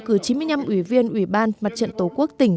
cử chín mươi năm ủy viên ủy ban mặt trận tổ quốc tỉnh